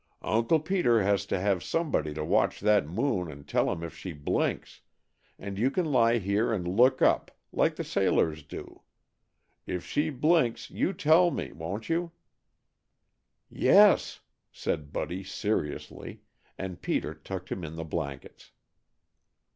"Uncle Peter has to have somebody to watch that moon and tell him if she blinks, and you can lie here and look up, like the sailors do. If she blinks, you tell me, won't you?" "Yes," said Buddy seriously, and Peter tucked him in the blankets.